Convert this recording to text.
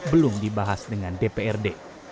belum dibahas dengan dprd